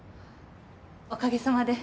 おかげさまで。